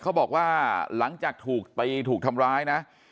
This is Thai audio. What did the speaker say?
เขาบอกว่าหลังจากถูกตีถูกทำร้ายนะ